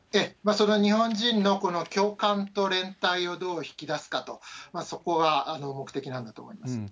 それは日本人の共感と連帯をどう引き出すかと、そこが目的なんだと思います。